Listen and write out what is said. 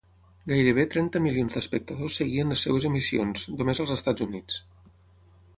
Gairebé trenta milions d'espectadors seguien les seves emissions, només als Estats Units.